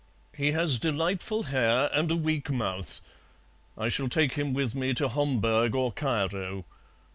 "He has delightful hair and a weak mouth. I shall take him with me to Homburg or Cairo."